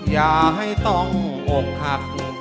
อย่าให้ต้องอกหัก